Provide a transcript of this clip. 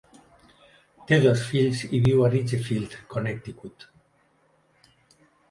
Té dos fills i viu a Ridgefield, Connecticut.